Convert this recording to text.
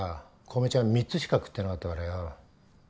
小梅ちゃん３つしか食ってなかったからよ。